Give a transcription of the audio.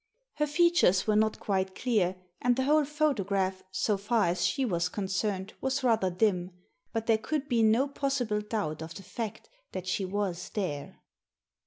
Her features were not quite clear, and the whole photograph, so far as she was concerned, was rather dim — but there could be no possible doubt of the fact that she was there.